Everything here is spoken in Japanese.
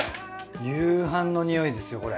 夕飯のにおいですよこれ。